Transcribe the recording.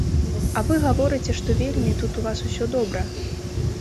А вы гаворыце, што вельмі тут у вас усё добра.